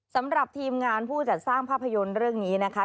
สำหรับทีมงานผู้จัดสร้างภาพยนตร์เรื่องนี้นะคะ